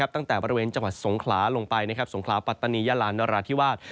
ตั้งแต่บริเวณจังหวัดสงขลาลงไปสงขลาปัตตานียาลานราธิวาส